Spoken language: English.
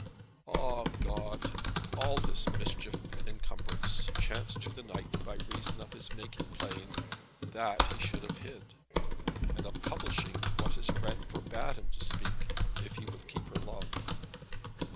Ah, God! all this mischief and encumbrance chanced to the knight by reason of his making plain that he should have hid, and of publishing what his friend forbade him to speak, if he would keep her love.